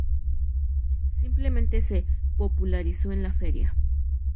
Simplemente se popularizó en la feria.